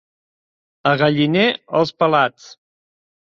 A Galliner, els pelats.